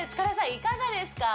いかがですか？